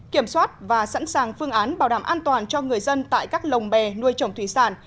kiểm soát và sẵn sàng phương án bảo đảm an toàn cho người dân tại các lồng bè nuôi trồng thủy sản